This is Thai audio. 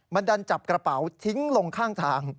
มันดันจับกระเป๋าทิ้งลงข้างทาง